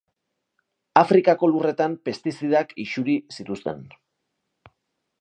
Afrikako lurretan pestizidak isuri zituzten.